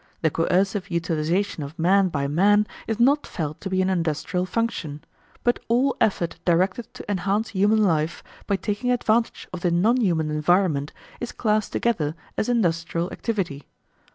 The coercive utilisation of man by man is not felt to be an industrial function; but all effort directed to enhance human life by taking advantage of the non human environment is classed together as industrial activity.